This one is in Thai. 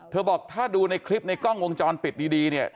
บอกถ้าดูในคลิปในกล้องวงจรปิดดีเนี่ย